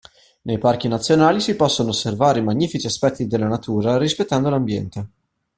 Nei parchi nazionali si possono osservare i magnifici aspetti della natura rispettando l'ambiente.